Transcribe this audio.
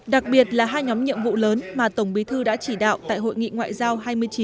đặc biệt là hai nhóm nhiệm vụ lớn mà tổng bí thư đã chỉ đạo tại hội nghị ngoại giao hai mươi chín